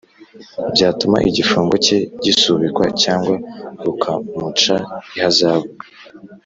Byatuma igifungo cye gisubikwa cyangwa rukamuca ihazabu